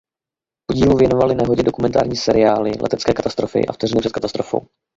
Po dílu věnovaly nehodě dokumentární seriály "Letecké katastrofy" a "Vteřiny před katastrofou".